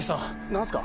何すか？